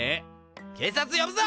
警察呼ぶぞ！